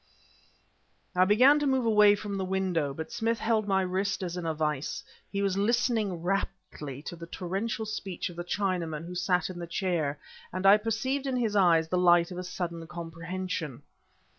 I began to move away from the window. But Smith held my wrist as in a vise. He was listening raptly to the torrential speech of the Chinaman who sat in the chair; and I perceived in his eyes the light of a sudden comprehension.